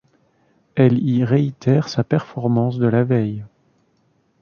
Elle y réitère sa performance de la veille.